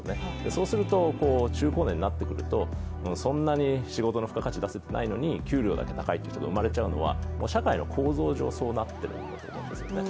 そうすると、中高年になってくるとそんなに仕事の付加価値が出せていないのに給料だけ高い人が生まれちゃうのは社会の構造上、そうなっているんですね。